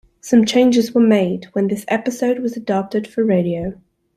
Some changes were made when this episode was adapted for radio.